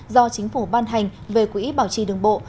do chính phủ ban hành về quỹ bảo trì đường bộ